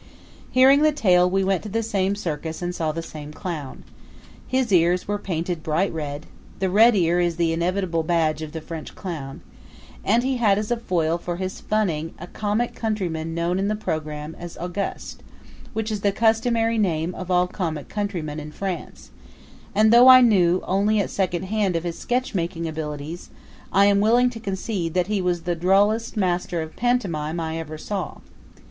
Hearing the tale we went to the same circus and saw the same clown. His ears were painted bright red the red ear is the inevitable badge of the French clown and he had as a foil for his funning a comic countryman known on the program as Auguste, which is the customary name of all comic countrymen in France; and, though I knew only at second hand of his sketch making abilities, I am willing to concede that he was the drollest master of pantomime I ever saw.